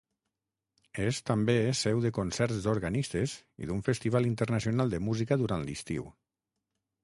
És també seu de concerts d'organistes i d'un festival internacional de música durant l'estiu.